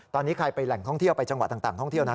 ตอนนี้ใครไปแหล่งท่องเที่ยวไปจังหวัดต่างท่องเที่ยวนะ